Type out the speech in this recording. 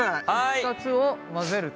２つを混ぜると。